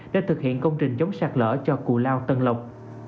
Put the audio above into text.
để thực hiện công trình chống sạt lỡ cho cù lao tân lộc